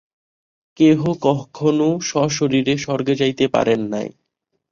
কেহ কখনও সশরীরে স্বর্গে যাইতে পারেন নাই।